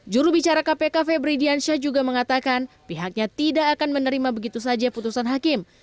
juru bicara kpk febridiansyah juga mengatakan pihaknya tidak akan menerima begitu saja putusan hakim